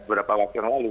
berapa waktu yang lalu